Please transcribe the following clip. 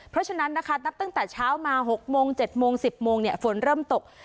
เพราะฉะนั้นนะคะนับตั้งแต่เช้ามา๖โมง๗โมง๑๐โมงฝนเริ่มตก